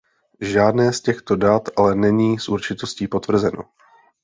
Žádné z těchto dat ale není s určitostí potvrzeno.